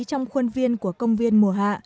trong khuôn viên của công viên mùa hạ